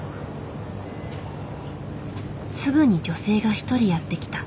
すぐに女性が一人やって来た。